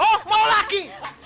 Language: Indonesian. oh mau lagi